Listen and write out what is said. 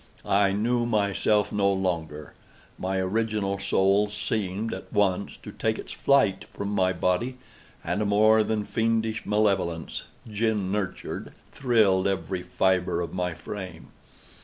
I knew myself no longer. My original soul seemed, at once, to take its flight from my body and a more than fiendish malevolence, gin nurtured, thrilled every fibre of my frame.